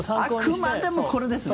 あくまでもこれですね。